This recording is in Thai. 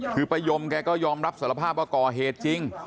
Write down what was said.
คือป้ายมแกก็ยอมรับสารภาพว่าก่อเหตุจริง